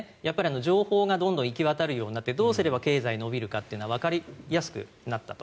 情報はどんどん行き渡るようになってどうやれば経済が伸びるっていうのがわかりやすくなったと。